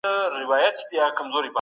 هر کس د ځان په اړه ځانګړی نظر لري.